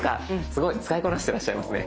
すごい使いこなしていらっしゃいますね。